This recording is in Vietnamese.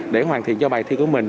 để hoàn thiện cho bài thi của mình